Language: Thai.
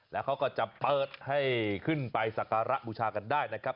แล้วเขาก็จะเปิดให้ขึ้นไปสักการะบูชากันได้นะครับ